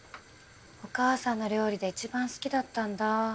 お母さんの料理でいちばん好きだったんだ。